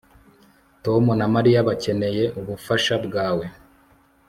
Tom na Mariya bakeneye ubufasha bwawe